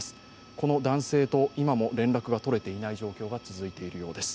この男性と今も連絡が取れていない状況が続いているようです。